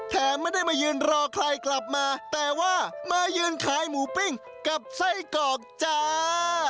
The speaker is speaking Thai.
ไม่ได้มายืนรอใครกลับมาแต่ว่ามายืนขายหมูปิ้งกับไส้กรอกจ้า